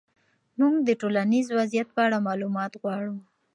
موږ د ټولنیز وضعیت په اړه معلومات غواړو.